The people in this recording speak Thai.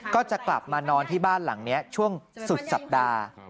ก็จะกลับมานอนที่บ้านหลังนี้ช่วงสุดสัปดาห์